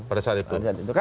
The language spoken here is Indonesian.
pada saat itu